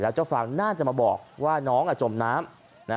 เจ้าฟางน่าจะมาบอกว่าน้องจมน้ำ